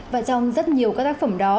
và trong rất nhiều các tác phẩm đó